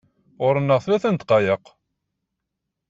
Ɣur-neɣ tlata n ddqayeq.